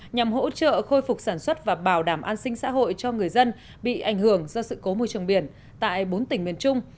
nhằm hỗ trợ khôi phục sản xuất và bảo đảm an sinh xã hội cho người dân bị ảnh hưởng do sự cố môi trường biển tại bốn tỉnh miền trung